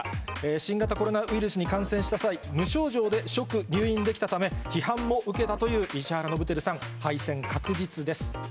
新型コロナウイルスに感染した際、無症状で即入院できたため、批判も受けたという石原伸晃さん、敗戦確実です。